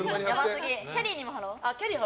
キャリーにも貼ろう。